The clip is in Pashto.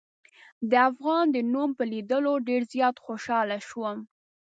د افغان د نوم په لیدلو ډېر زیات خوشحاله شوم.